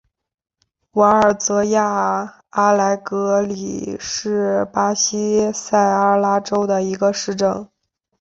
瓦尔泽亚阿莱格里是巴西塞阿拉州的一个市镇。